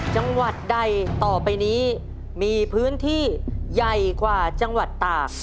จังหวัดใดต่อไปนี้มีพื้นที่ใหญ่กว่าจังหวัดตาก